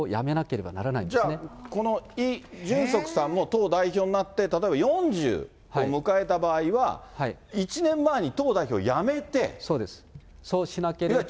じゃあ、このイ・ジュンソクさんも党代表になって、例えば４０を迎えた場合は、そうです、そうしなければ。